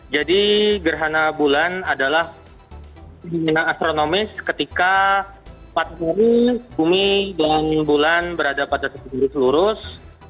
jadi gerhana bulan adalah fenomena astronomis ketika empat hari bumi dan bulan berada pada tersendiri selurus